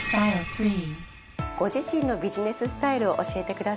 ご自身のビジネススタイルを教えてください。